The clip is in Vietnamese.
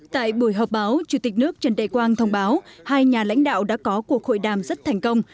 tại buổi họp báo chủ tịch nước trần đại quang thông báo hai nhà lãnh đạo đã có cuộc hội đàm rất thành công